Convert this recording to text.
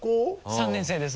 ３年生です。